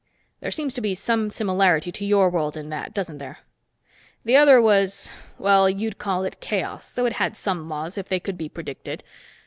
There seems to be some similarity to your world in that, doesn't there? The other was well, you'd call it chaos, though it had some laws, if they could be predicted.